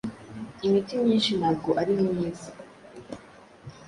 imiti myinshi ntabwo ari myiza